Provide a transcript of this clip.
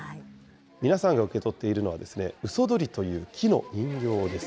皆さんが受け取っているのは、うそ鳥という木の人形です。